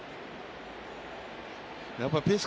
やっぱりペース